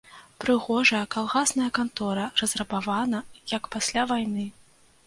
Прыгожая калгасная кантора разрабавана, як пасля вайны.